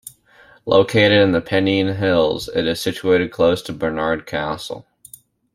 Located in the Pennine hills, it is situated close to Barnard Castle.